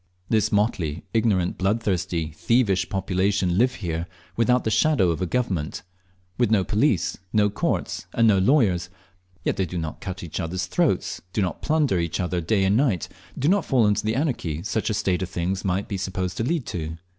This motley, ignorant, bloodthirsty, thievish population live here without the shadow of a government, with no police, no courts, and no lawyers; yet they do not cut each other's throats, do not plunder each other day and night, do not fall into the anarchy such a state of things might be supposed to lead to.